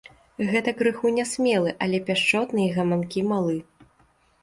Гэта крыху нясмелы, але пяшчотны і гаманкі малы.